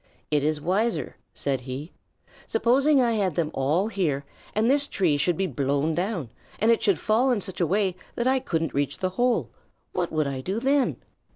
"It is wiser," said he. "Supposing I had them all here and this tree should be blown down, and it should fall in such a way that I couldn't reach the hole. What would I do then?"